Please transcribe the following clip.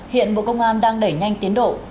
hiện bộ công an đang đẩy nhanh tiến độ